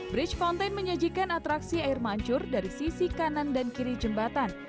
bridge fountain menyajikan atraksi air mancur dari sisi kanan dan kiri jembatan